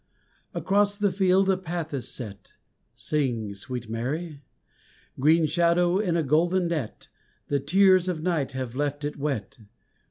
Across the field a path is set Sing, sweet Mary, Green shadow in a golden net The tears of night have left it wet.